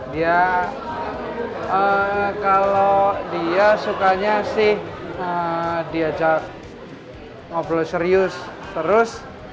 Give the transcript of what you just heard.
dia kalau dia sukanya sih diajak ngobrol serius terus